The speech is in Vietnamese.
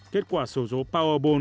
kết quả sổ số powerball